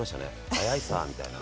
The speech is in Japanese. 早いさみたいな。